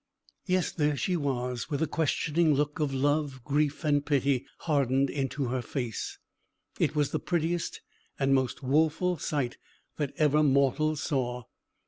Yes, there she was, with the questioning look of love, grief, and pity, hardened into her face. It was the prettiest and most woeful sight that ever mortal saw.